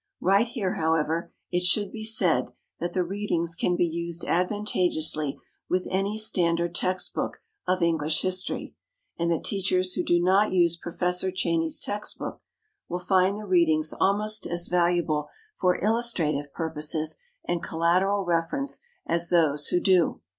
Right here, however, it should be said that the "Readings" can be used advantageously with any standard text book of English history and that teachers who do not use Professor Cheyney's text book will find the "Readings" almost as valuable for illustrative purposes and collateral reference as those who do.